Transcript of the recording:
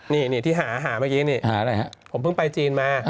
นี่ที่หาเมื่อกี้นี่ผมเพิ่งไปจีนมา